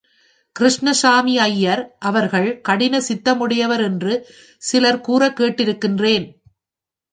கிருஷ்ணசாமி ஐயர் அவர்கள் கடின சித்தமுடையவர் என்று சிலர் கூறக் கேட்டிருக்கின்றேன்.